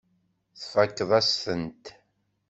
Tfakkeḍ-as-tent.